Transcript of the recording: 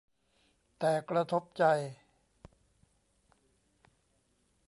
แต่กระทบใจ